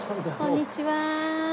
こんにちは。